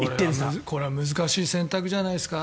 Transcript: これは難しい選択じゃないですか。